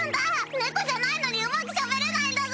猫じゃないのにうまくしゃべれないんだぞ！